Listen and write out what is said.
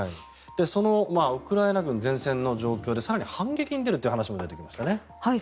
そのウクライナ軍善戦の状況で更に反撃に出るという話も出ましたね。